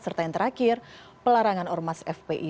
serta yang terakhir pelarangan ormas fpi